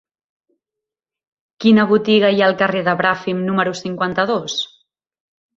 Quina botiga hi ha al carrer de Bràfim número cinquanta-dos?